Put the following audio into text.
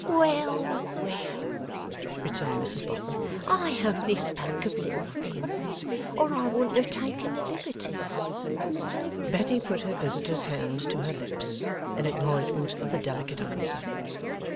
'Well, well!' returned Mrs Boffin. 'I only spoke of little things, or I wouldn't have taken the liberty.' Betty put her visitor's hand to her lips, in acknowledgment of the delicate answer.